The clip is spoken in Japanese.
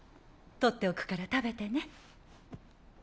取っておくから食べてね。